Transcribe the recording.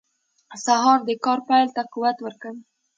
سهار د کار پیل ته قوت ورکوي.